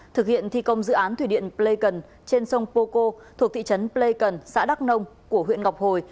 thực hiện thi công dự án thủy điện pleiken trên sông poco thuộc thị trấn pleikon xã đắc nông của huyện ngọc hồi